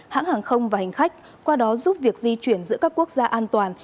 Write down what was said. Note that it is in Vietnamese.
hãng hàng không và hành khách qua đó giúp việc di chuyển giữa các quốc gia an toàn